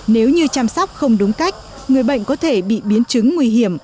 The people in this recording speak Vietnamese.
nếu như chăm sóc không đúng cách người bệnh có thể bị biến chứng nguy hiểm